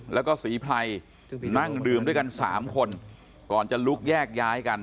แล้วก็ศรีไพรนั่งดื่มด้วยกันสามคนก่อนจะลุกแยกย้ายกัน